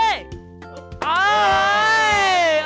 เอ้าเฮ้ย